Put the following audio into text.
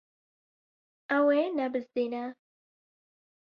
Ew ê nebizdîne.